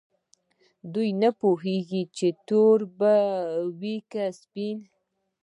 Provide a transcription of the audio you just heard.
دوی نه پوهیږي چې تور به وي که سپین.